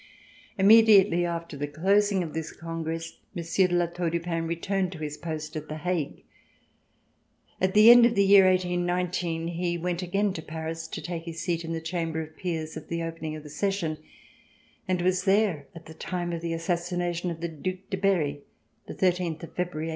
Immediately after the closing of this Congress, Monsieur de La Tour du Pin re turned to his post at The Hague. At the end of the year 18 19, he went again to Paris to take his seat in the Chamber of Peers, at the opening of the session, and was there at the time of the assassination of the Due de Berry, the thirteenth of February, 1820.